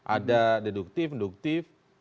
ada deduktif induktif